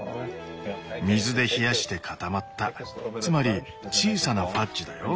水で冷やして固まったつまり小さなファッジだよ。